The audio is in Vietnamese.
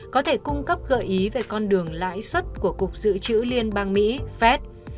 có thể cung cấp gợi ý về con đường lãi xuất của cục dự trữ liên bang mỹ fed